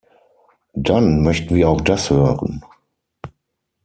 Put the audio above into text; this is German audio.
Dann möchten wir auch das hören.